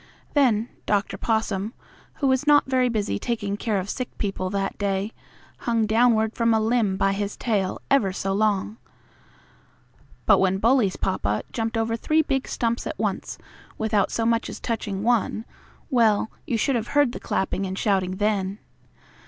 Then Dr. Possum, who was not very busy taking care of sick people that day, hung downward from a limb by his tail ever so long, but when Bully's papa jumped over three big stumps at once, without so much as touching one well, you should have heard the clapping and shouting then!